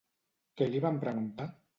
Què li van preguntar?